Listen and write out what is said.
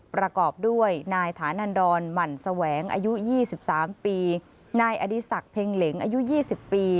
ประกอบด้วยนายฐานันดรหมั่นแสวงอายุ๒๓ปีนายอดีศักดิ์เพ็งเหล็งอายุ๒๐ปี